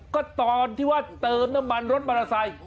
ก็ตอนที่ว่าเติมน้ำมันรถมอเตอร์ไซค์